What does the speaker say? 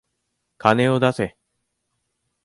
金を出せ。